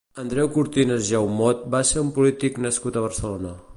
Andreu Cortines Jaumot va ser un polític nascut a Barcelona.